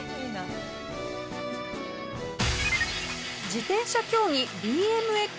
自転車競技ＢＭＸレース。